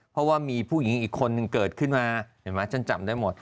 เพราะว่ามีผู้หญิงอีกคนเนี่ยเกิดขึ้นมาเห็นมั้ย